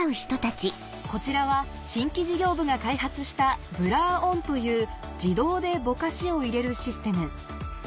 こちらは新規事業部が開発した「ＢｌｕｒＯｎ」という自動でぼかしを入れるシステム